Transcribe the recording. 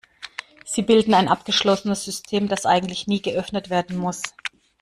Sie bilden ein abgeschlossenes System, das eigentlich nie geöffnet werden muss.